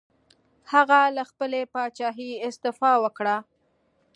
هغه له خپلې پاچاهۍ استعفا وکړه.